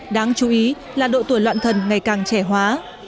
đáng chú ý là độ tuổi loạn thần ngày càng trẻ hóa